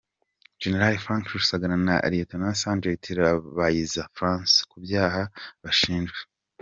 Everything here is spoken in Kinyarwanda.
Gen. Frank Rusagara na Rtd Sgt Kabayiza Francois ku byaha bashinjwa .